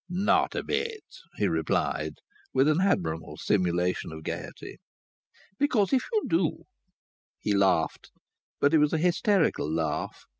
"Not a bit," he replied, with an admirable simulation of gaiety. "Because if you do " He laughed. But it was a hysterical laugh.